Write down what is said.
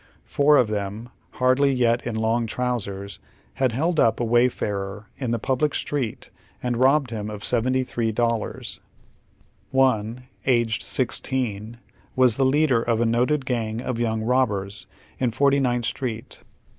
Four of them, hardly yet in long trousers, had " held up " a wayfarer in the public street and robbed him of $73. One, aged sixteen, "was the leader of a noted gang of young robbers in Forty nintli Street.